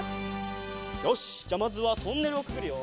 よしじゃあまずはトンネルをくぐるよ。